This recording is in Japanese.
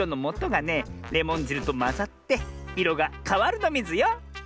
レモンじるとまざっていろがかわるのミズよ！